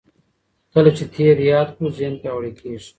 کله چې تېر یاد کړو ذهن پیاوړی کېږي.